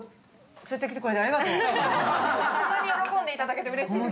そんなに喜んでいただけてうれしいです。